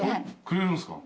くれるんすか？